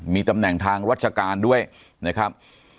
มีตำแหน่งทางราชการด้วยนะครับ